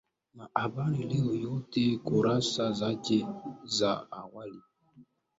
na habari leo yote kurasa zake za awali